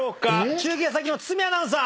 中継先の堤アナウンサー。